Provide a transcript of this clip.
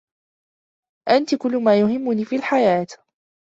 أنتِ كلّ ما يهمُّني في الحياة.